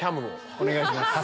お願いします。